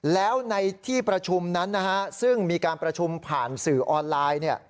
แล้วในที่ประชุมนั้นซึ่งมีการประชุมผ่านสื่อออนไลน์